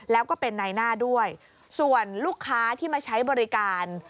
แล้วก็เป็นในหน้าด้วยส่วนลูกค้าที่มาใช้บริการ